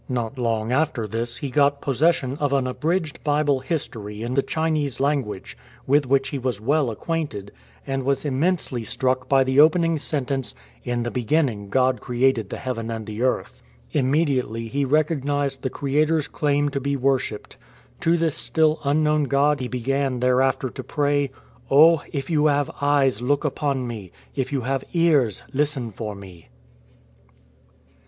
Not long after this he got possession of an abridged Bible history in the Chinese language, with which he was w^ell acquainted, and was D 49 IN A JUNK TO HAKODATE immensely struck by the opening sentence, " In the beginning God created the heaven and the earth."" Immediately he recognized the Creator''s claim to be worshipped. To this still Unknown God he began there after to pray, " Oh, if You have eyes, look upon me ; if You have ears, listen for me.